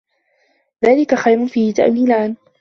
ذَلِكَ خَيْرٌ فِيهِ تَأْوِيلَانِ